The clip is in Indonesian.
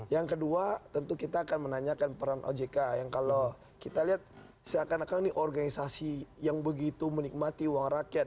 yang kedua tentu kita akan menanyakan peran ojk yang kalau kita lihat seakan akan ini organisasi yang begitu menikmati uang rakyat